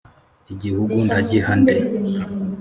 Igihugu ndagiha nde?